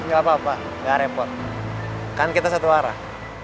gak apa apa gak repot kan kita satu arah